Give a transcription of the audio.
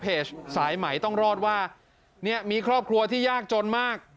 สายไหมต้องรอดว่าเนี่ยมีครอบครัวที่ยากจนมาก